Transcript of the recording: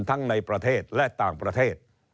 ทั้งในประเทศและต่างประเทศ